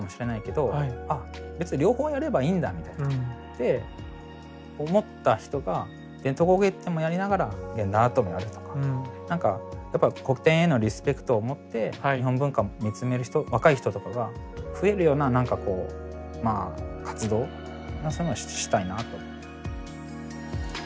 で思った人が伝統工芸展もやりながら現代アートもやるとか何かやっぱ古典へのリスペクトを持って日本文化見つめる人若い人とかが増えるような何かこうまあ活動そういうのをしたいなあと。